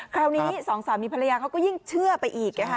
คราวนี้สองสามีภรรยาเขาก็ยิ่งเชื่อไปอีกนะคะ